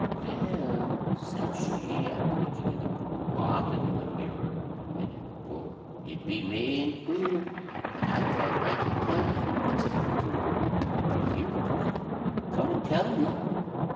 "Well," said she, after looking in the brewpot, and in the mirror, and in the Book, "it be main queer, but I can't rightly tell ye what's happened to her. If ye hear of aught, come and tell me."